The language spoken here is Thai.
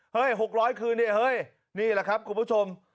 ๖๐๐คืนเนี่ยเฮ้ยนี่แหละครับคุณผู้ชม